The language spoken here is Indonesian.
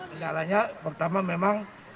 ini adalah hal pertama